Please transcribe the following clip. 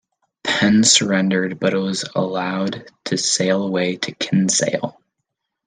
Penn surrendered but was allowed to sail away to Kinsale.